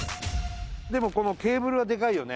でもこのケーブルはでかいよね。